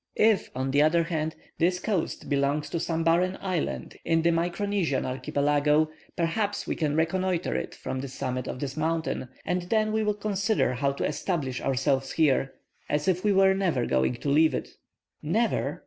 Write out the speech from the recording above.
If, on the other hand, this coast belongs to some barren island in the Micronesian Archipelago, perhaps we can reconnoitre it from the summit of this mountain, and then we will consider how to establish ourselves here as if we were never going to leave it." "Never?"